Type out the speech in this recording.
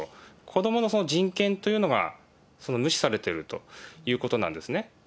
子どもの人権というのが無視されているということなんですね。